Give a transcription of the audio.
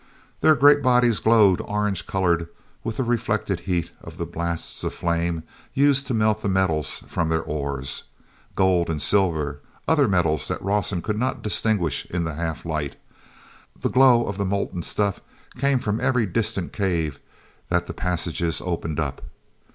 Their great bodies glowed orange colored with the reflected heat of the blasts of flame used to melt the metals from their ores. Gold and silver, other metals that Rawson could not distinguish in the half light—the glow of the molten stuff came from every distant cave that the passages opened up.